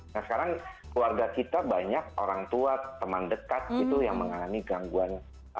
nah sekarang keluarga kita banyak orang tua teman dekat gitu yang mengalami gangguan